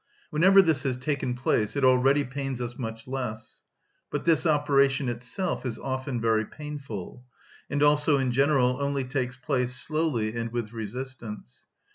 Whenever this has taken place, it already pains us much less; but this operation itself is often very painful, and also, in general, only takes place slowly and with resistance.